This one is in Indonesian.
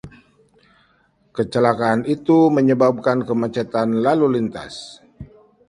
Kecelakaan itu menyebabkan kemacetan lalu lintas.